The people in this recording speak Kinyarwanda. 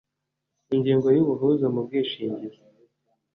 Ingingo ya Ubuhuza mu bwishingizi